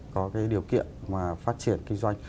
có cái điều kiện mà phát triển kinh doanh